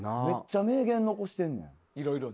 めっちゃ名言残してんねん。